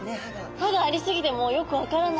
歯がありすぎてもうよく分からない。